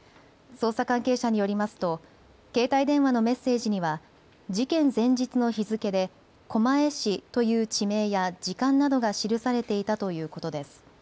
捜査関係者によりますと携帯電話のメッセージには事件前日の日付で狛江市という地名や時間などが記されていたということです。